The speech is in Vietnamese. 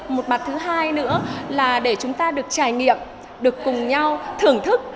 một mặt thứ hai nữa là để chúng ta được trải nghiệm được cùng nhau thưởng thức